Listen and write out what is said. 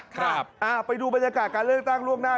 ครับไปดูบรรยากาศการเลือกตั้งล่วงหน้า